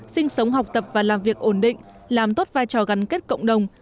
sinh sống học tập và làm việc ổn định làm tốt vai trò gắn kết cộng đồng